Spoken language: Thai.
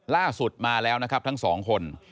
ล่าสุดมาแล้วนะครับทั้งสองคน